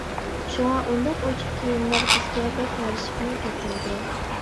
شۇڭا ئۇنداق ئوچۇق كىيىملەر بىزگە بەك يارىشىپمۇ كەتمەيدۇ.